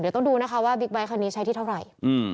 เดี๋ยวต้องดูนะคะว่าบิ๊กไบท์คันนี้ใช้ที่เท่าไหร่